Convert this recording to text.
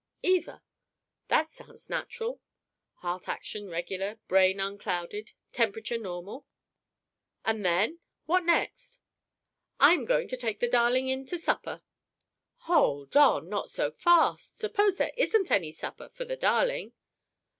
"Either." "That sounds natural! (Heart action regular; brain unclouded; temperature normal.) And then? What next?" "I'm going to take the darling in to supper." "Hold on! Not so fast! Suppose there isn't any supper for the darling."